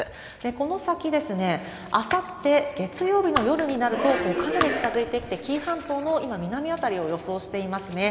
この先ですね、あさって月曜日の夜になるとかなり近づいてきて、紀伊半島の今、南辺りを予想していますね。